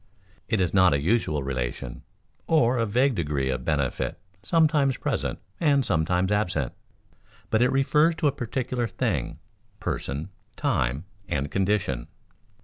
It is not a usual relation or a vague degree of benefit sometimes present and sometimes absent, but it refers to a particular thing, person, time, and condition.